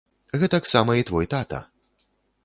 Гэтаксама і твой тата.